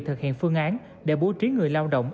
thực hiện phương án để bố trí người lao động